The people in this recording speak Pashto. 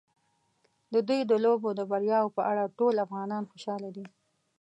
د دوی د لوبو د بریاوو په اړه ټول افغانان خوشاله دي.